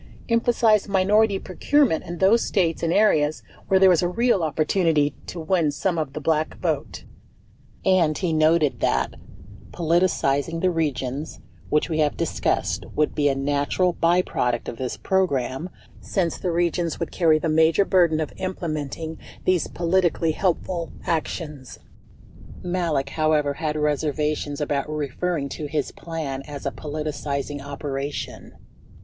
—Emphasize minority procurement in those States and areas where there is a real opportunity to win some of the Black vote. And he noted that : Politicizing the regions, which we have discussed, would be a natural byproduct of this program, since the regions would carry the major burden of implementing these polit ically helpful actions . 38 Malek, however, had reservations about referring to his plan as a "politicizing" operation.